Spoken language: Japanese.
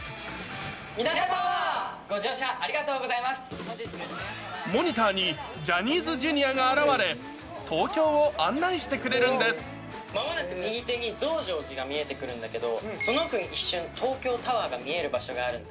皆さん、ご乗車ありがとうごモニターに、ジャニーズＪｒ．が現われ、まもなく右手に増上寺が見えてくるんだけど、その奥に一瞬、東京タワーが見える場所がある。